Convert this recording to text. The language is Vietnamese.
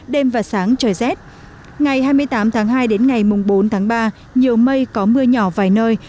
đêm và sáng trời rét ngày hai mươi tám tháng hai đến ngày mùng bốn tháng ba nhiều mây có mưa nhỏ vài nơi